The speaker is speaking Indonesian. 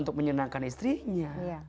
untuk menyenangkan istrinya